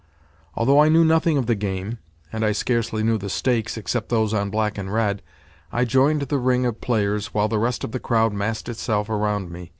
Although I knew nothing of the game—and I scarcely knew the stakes, except those on black and red—I joined the ring of players, while the rest of the crowd massed itself around me.